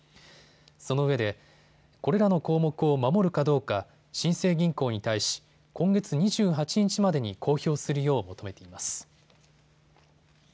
そのうえでこれらの項目を守るかどうか新生銀行に対し今月２８日までに公表するよう求めています。